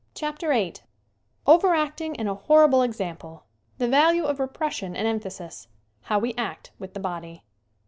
CHAPTER VIII Over acting and a horrible example the value of repression and emphasis How we act with the body.